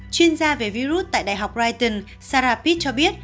chuyên gia về virus tại đại học brighton sarah pitt cho biết